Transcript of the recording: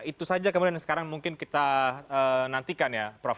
itu saja kemudian sekarang mungkin kita nantikan ya prof